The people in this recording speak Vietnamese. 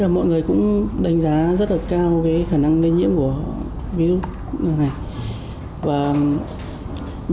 mọi người cũng đánh giá rất là cao cái khả năng lây nhiễm của họ